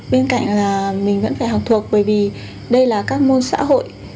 bên cạnh là mình vẫn phải học thuộc bởi vì đây là các môn xã hội